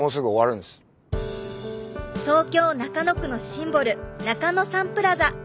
東京・中野区のシンボル中野サンプラザ。